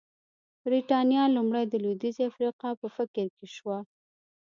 برېټانیا لومړی د لوېدیځې افریقا په فکر کې شوه.